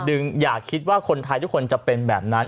อย่าคิดว่าคนไทยทุกคนจะเป็นแบบนั้น